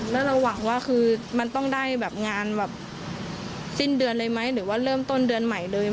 แล้วเราหวังว่าคือมันต้องได้แบบงานแบบสิ้นเดือนเลยไหมหรือว่าเริ่มต้นเดือนใหม่เลย